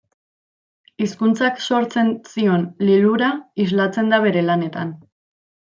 Hizkuntzak sortzen zion lilura islatzen da bere lanetan.